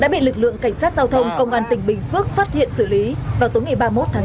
đã bị lực lượng cảnh sát giao thông công an tỉnh bình phước phát hiện xử lý vào tối ngày ba mươi một tháng chín